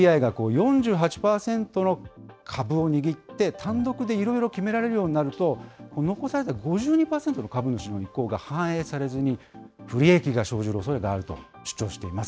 ＳＢＩが４８％の株を握って、単独でいろいろ決められるようになると、残された５２％の株主の意向が反映されずに、不利益が生じるおそれがあると主張しています。